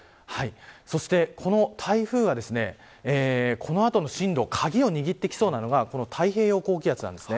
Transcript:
そしてこの台風はこの後の進路の鍵を握ってきそうなのが太平洋高気圧です。